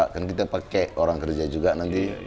kan kita pakai orang kerja juga nanti